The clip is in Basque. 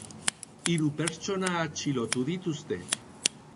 Hiru pertsona atxilotu dituzte.